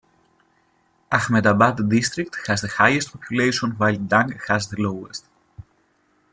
Ahmedabad district has the highest population while Dang has the lowest.